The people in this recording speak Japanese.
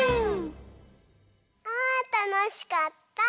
あたのしかった！